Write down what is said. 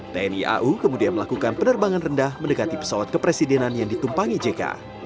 tni au kemudian melakukan penerbangan rendah mendekati pesawat kepresidenan yang ditumpangi jk